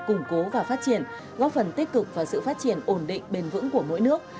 củng cố và phát triển góp phần tích cực và sự phát triển ổn định bền vững của mỗi nước